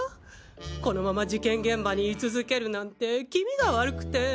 このまま事件現場に居続けるなんて気味が悪くて！